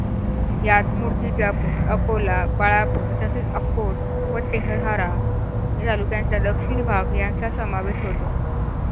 यात मुर्तिजापूर, अकोला, बाळापूर तसेच अकोट व तेल्हारा तालुक्यांचा दक्षिण भाग यांचा समावेश होतो.